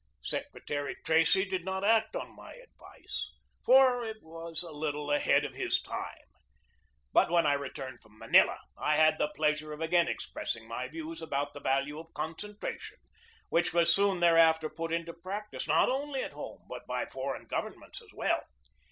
Secretary Tracy did not act on my advice, for it was a little ahead of his time. But when I returned from Manila I had the pleasure of again expressing my views about the value of concentration, which was soon thereafter put into practice, not only at home but by foreign governments as well.